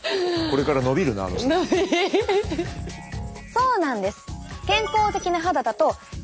そうなんです。